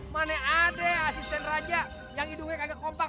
mana ada asisten raja yang hidungnya kagak kompak